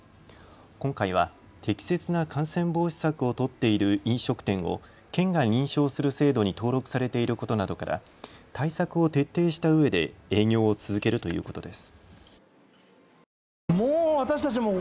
今回は適切な感染防止策を取っている飲食店を県が認証する制度に登録されていることなどから対策を徹底したうえで営業を続けるということです。